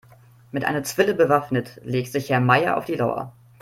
Mit einer Zwille bewaffnet legt sich Herr Meier auf die Lauer.